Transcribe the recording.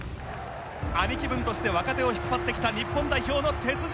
兄貴分として若手を引っ張ってきた日本代表の鉄人。